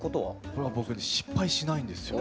これは僕失敗しないんですよ。